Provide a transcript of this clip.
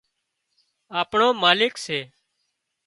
آپڻو مالڪ سي